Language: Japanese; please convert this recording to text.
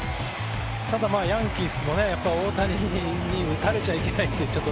ただ、ヤンキースも大谷に打たれちゃいけないって。